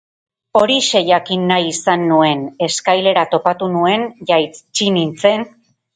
Horixe jakin nahi izan nuen, eskailera topatu nuen, jaitsi nintzen...